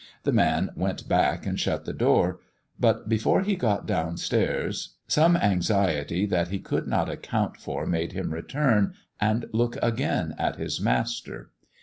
The man went back and shut the door; but before he got down stairs, some anxiety that he could not account for made him return, and look again at his master.